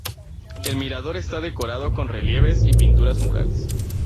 El mirador está decorado con relieves y pinturas murales.